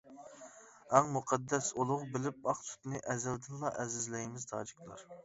ئەڭ مۇقەددەس ئۇلۇغ بىلىپ ئاق سۈتنى، ئەزەلدىنلا ئەزىزلەيمىز تاجىكلار.